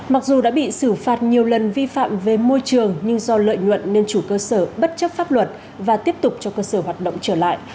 mặc dù đã bị xử phạt nhiều lần vi phạm về môi trường nhưng do lợi nhuận nên chủ cơ sở bất chấp pháp luật và tiếp tục cho cơ sở hoạt động trở lại